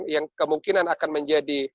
yang kemungkinan akan menjadi